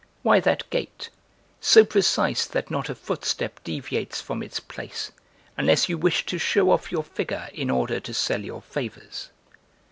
Why that gait, so precise that not a footstep deviates from its place, unless you wish to show off your figure in order to sell your favors?